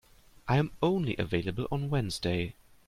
I am only available on Wednesday.